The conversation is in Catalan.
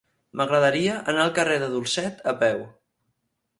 M'agradaria anar al carrer de Dulcet a peu.